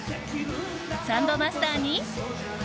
サンボマスターに。